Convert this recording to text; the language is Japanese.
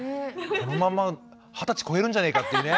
このまま二十歳超えるんじゃねえかっていうね。